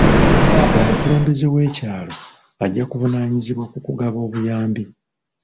Omukulembeze w'ekyalo ajja kuvunaanyizibwa ku kugaba obuyambi.